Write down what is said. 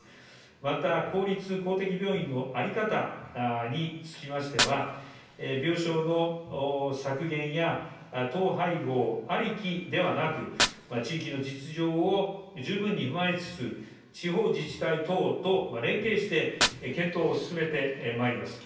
また、公立・公的病院の在り方につきましては、病床の削減や統廃合ありきではなく、地域の実情を十分に踏まえつつ、地方自治体等と連携して、検討を進めてまいります。